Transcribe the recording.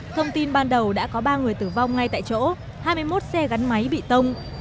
thông tin ban đầu đã có ba người tử vong ngay tại chỗ hai mươi một xe gắn máy bị tông